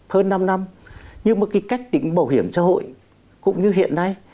hơn năm năm nhưng mà cái cách tính bảo hiểm xã hội cũng như hiện nay